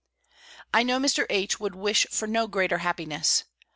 "I know Mr. H. would wish for no greater happiness.